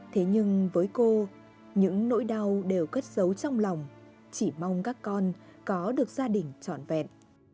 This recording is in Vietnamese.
thế nhưng với cô những nỗi đau đều cất giấu trong lòng chỉ mong các con có được gia đình trọn vẹn